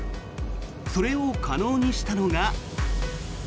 それを可能にしたのが。